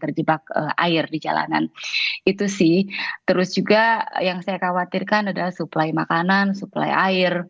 terjebak air di jalanan itu sih terus juga yang saya khawatirkan adalah suplai makanan suplai air